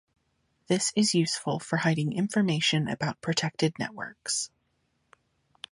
This is useful for hiding information about protected networks.